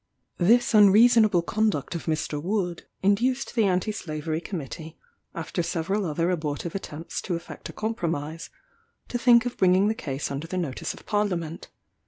This unreasonable conduct of Mr. Wood, induced the Anti Slavery Committee, after several other abortive attempts to effect a compromise, to think of bringing the case under the notice of Parliament.